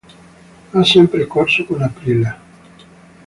Ha sempre corso con l'Aprilia.